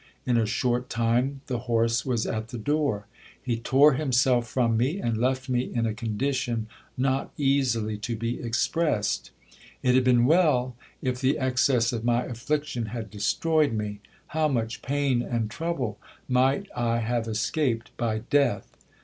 In a short time the horse was at the door. He tore himself from me, and left me in a con dition not easily to be expressed. It had been well if the excess of my affliction had destroyed me ! How much pain and trouble might I have escaped by death